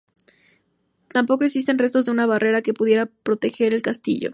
Tampoco existen restos de una barrera que pudiera proteger al castillo.